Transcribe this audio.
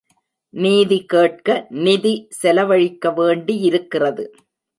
நீதி கேட்க நிதி செலவழிக்க வேண்டி இருக்கிறது.